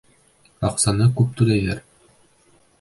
Аҡсаны күп түләйҙәр.